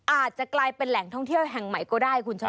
อาจจะกลายเป็นแหล่งท่องเที่ยวแห่งใหม่ก็ได้คุณชนะ